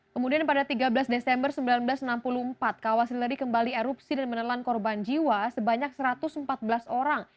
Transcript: kemudian pada tiga belas desember seribu sembilan ratus enam puluh empat kawah sileri kembali erupsi dan menelan korban jiwa